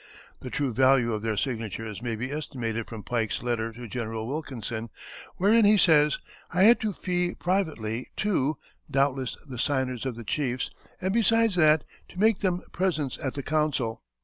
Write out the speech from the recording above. The true value of their signatures may be estimated from Pike's letter to General Wilkinson, wherein he says: "I had to fee privately two (doubtless the signers) of the chiefs, and besides that, to make them presents at the council."